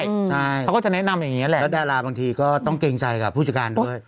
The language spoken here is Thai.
ใช่เขาก็จะแนะนำอย่างเงี้แหละแล้วดาราบางทีก็ต้องเกรงใจกับผู้จัดการด้วย